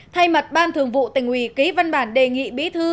thay mặt ban thường vụ tỉnh ủy ký văn bản đề nghị bí thư